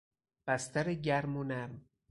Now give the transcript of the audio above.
بستر گرم و نرم